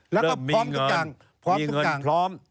แล้วก็พร้อมทุกอย่างมีเงินพร้อม